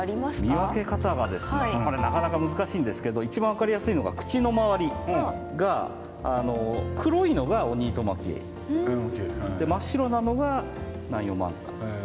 見分け方がですねこれなかなか難しいんですけど一番分かりやすいのが口の周りが黒いのがオニイトマキエイ真っ白なのがナンヨウマンタ。